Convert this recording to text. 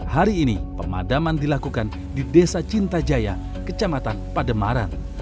hari ini pemadaman dilakukan di desa cintajaya kecamatan pademaran